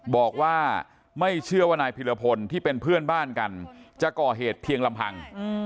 บอกว่าไม่เชื่อว่านายพิรพลที่เป็นเพื่อนบ้านกันจะก่อเหตุเพียงลำพัง